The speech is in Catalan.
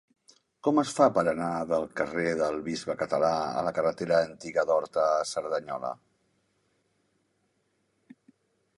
Com es fa per anar del carrer del Bisbe Català a la carretera Antiga d'Horta a Cerdanyola?